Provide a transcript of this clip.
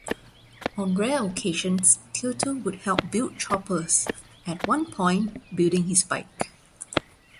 On rare occasions, Teutul would help build choppers, at one point building his bike.